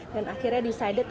dan akhirnya decided